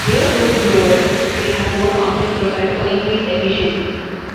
Real Roots blowers may have more complex profiles for increased efficiency.